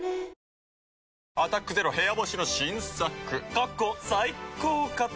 過去最高かと。